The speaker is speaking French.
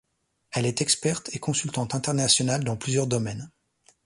Elle est experte et consultante internationale dans plusieurs domaines.